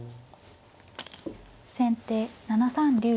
先手７三竜。